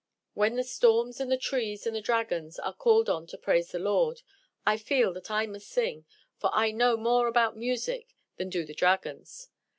When the storms, and the trees, and the dragons are called on to praise the Lord, I feel that I must sing, for I know more about music than do the dragons.